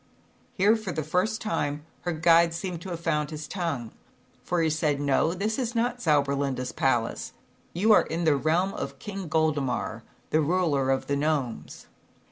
Here, for the first time, her guide seemed to have found his tongue, for he said: "No, this is not Zauberlinda's Palace. You are in the realm of King Goldemar, the ruler of the Gnomes."